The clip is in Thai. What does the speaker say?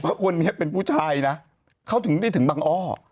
เพราะคนนี้เป็นผู้ชายนะเขาถึงได้ถึงบังอ้อ